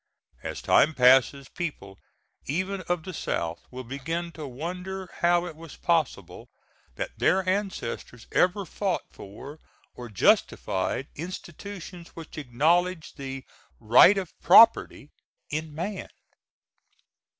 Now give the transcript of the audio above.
As time passes, people, even of the South, will begin to wonder how it was possible that their ancestors ever fought for or justified institutions which acknowledged the right of property in man.